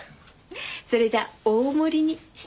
それじゃあ大盛りにしておきますね。